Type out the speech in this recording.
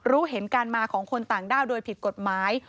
รู้เห็นการมาของคนต่างด้าวโดยผิดกฎหมาย